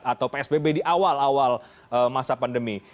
atau psbb di awal awal masa pandemi